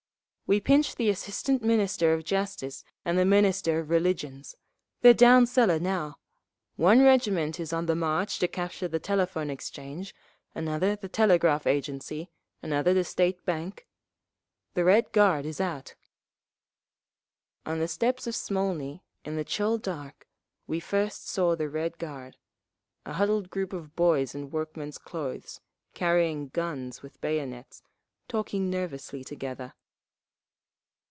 "We pinched the Assistant Minister of Justice and the Minister of Religions. They're down cellar now. One regiment is on the march to capture the Telephone Exchange, another the Telegraph Agency, another the State Bank. The Red Guard is out…." On the steps of Smolny, in the chill dark, we first saw the Red Guard—a huddled group of boys in workmen's clothes, carrying guns with bayonets, talking nervously together.